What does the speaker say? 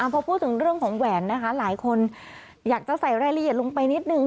พอพูดถึงเรื่องของแหวนนะคะหลายคนอยากจะใส่รายละเอียดลงไปนิดนึง